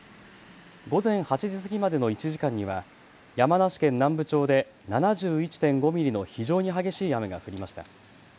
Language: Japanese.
午前８時過ぎまでの１時間には山梨県南部町で７１．５ミリの非常に激しい雨が降りました。